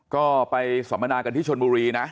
ก็ไปสัมมนากันที่ชนบุรีนะ